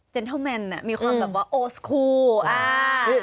เจนเทิลเมนมีความโอ้สกูล